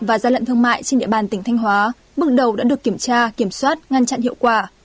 và gian lận thương mại trên địa bàn tỉnh thanh hóa bước đầu đã được kiểm tra kiểm soát ngăn chặn hiệu quả